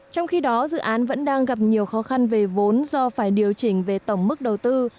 trong khi đó dự án vẫn đang gặp nhiều khó khăn về vốn do phải điều chỉnh về tổng mức đầu tư